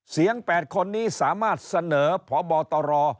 ๘คนนี้สามารถเสนอพบตร